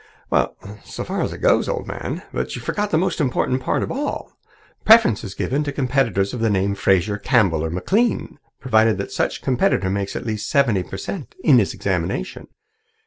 "So far as it goes, old man. You forget the most important part of all. 'Preference is to be given to competitors of the name Fraser, Campbell or McLean, provided that such competitor makes at least seventy per cent in his examination.'